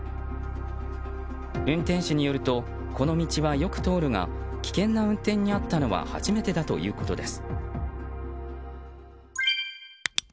運転手によるとこの道はよく通るが危険な運転に遭ったのは初めてだということです。